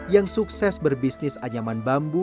yang sukses berbisnis anyaman bambu